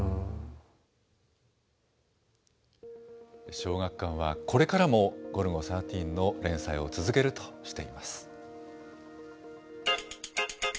小学館は、これからもゴルゴ１３の連載を続けるとしています。